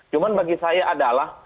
cuma bagi saya adalah